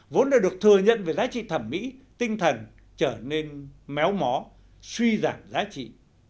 vốn đã được thừa nhận về giá trị thẩm mỹ tinh thần trở nên méo mó suy giảm giá trị